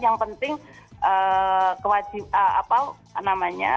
yang penting kewajiban apa namanya